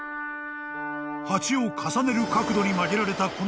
［八を重ねる角度に曲げられた